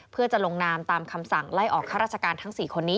เพื่อจะลงนามตามคำสั่งไล่ออกข้าราชการทั้ง๔คนนี้